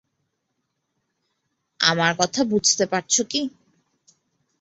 আমার কথা বুঝতে পারছ কি।